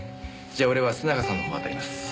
じゃあ俺は須永さんの方当たります。